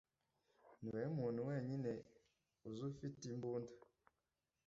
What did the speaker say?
Niwowe muntu wenyine uzi ufite imbunda